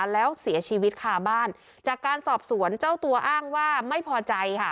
แล้วเสียชีวิตคาบ้านจากการสอบสวนเจ้าตัวอ้างว่าไม่พอใจค่ะ